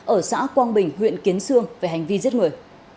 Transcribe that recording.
ở xã quang bình huyện kiến sương về hành vi giết người